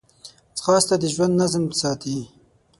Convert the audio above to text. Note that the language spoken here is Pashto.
ځغاسته د ژوند نظم ساتي